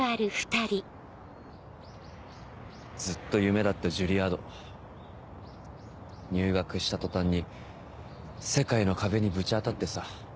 ずっと夢だったジュリアード入学した途端に世界の壁にぶち当たってさ。